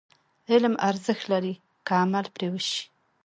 علم ارزښت لري، که عمل پرې وشي.